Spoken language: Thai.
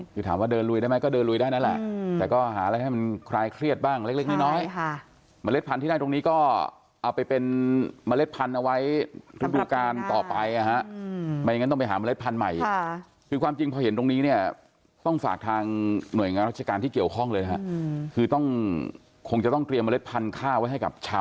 เขาไปเกี่ยวเข้ายังไงเดี๋ยวลองดูค่ะ